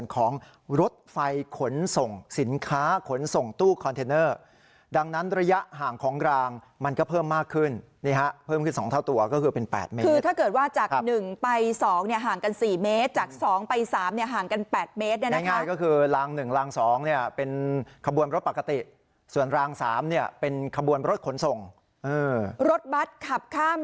ของรถไฟขนส่งสินค้าขนส่งตู้คอนเทนเนอร์ดังนั้นระยะห่างของรางมันก็เพิ่มมากขึ้นนี่ฮะเพิ่มขึ้น๒เท่าตัวก็คือเป็น๘เมตรคือถ้าเกิดว่าจาก๑ไป๒เนี่ยห่างกัน๔เมตรจาก๒ไป๓เนี่ยห่างกัน๘เมตรง่ายก็คือลาง๑ลาง๒เนี่ยเป็นขบวนรถปกติส่วนราง๓เนี่ยเป็นขบวนรถขนส่งรถบัตรขับข้าม